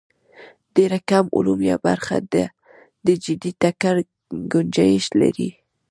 ډېر کم علوم یا برخې د جدي ټکر ګنجایش لري.